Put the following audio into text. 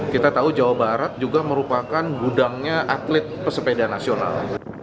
kita tahu jawa barat juga merupakan gudangnya atlet pesepeda nasional